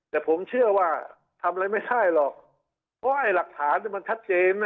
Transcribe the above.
แต่ผมเชื่อว่าทำอะไรไม่ได้หรอกเพราะไอ้หลักฐานมันชัดเจน